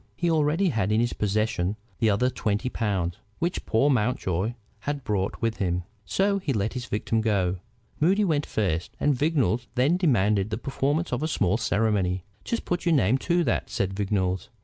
He already had in his possession the other twenty pounds which poor Mountjoy had brought with him. So he let the victim go. Moody went first, and Vignolles then demanded the performance of a small ceremony. "Just put your name to that," said Vignolles.